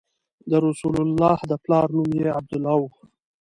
د رسول الله د پلار نوم یې عبدالله و.